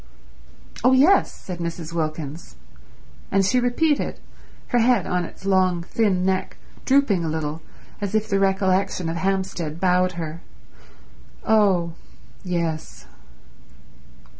"Oh yes," said Mrs. Wilkins. And she repeated, her head on its long thin neck drooping a little as if the recollection of Hampstead bowed her, "Oh yes."